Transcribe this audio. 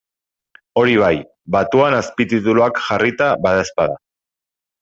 Hori bai, batuan azpitituluak jarrita badaezpada.